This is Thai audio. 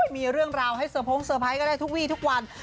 มีเรื่องราวให้เตอร์โพงเซอร์ไพรส์ก็ได้ทุกวีทุกวัน